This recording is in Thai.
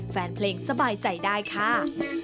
แฟนเพลงสบายใจได้ค่ะ